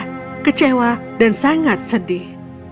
mereka kecewa dan sangat sedih